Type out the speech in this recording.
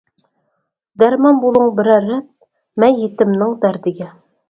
دەرمان بولۇڭ بىرەر رەت، مەن يېتىمنىڭ دەردىگە.